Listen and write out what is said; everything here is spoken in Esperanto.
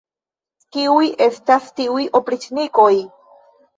Kiuj estas tiuj opriĉnikoj!